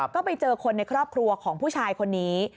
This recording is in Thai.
ก็ไปเจอคนในครอบครัวของผู้ชายคนนี้